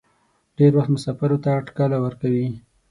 ډېر وخت مسافرو ته ټکله ورکوي.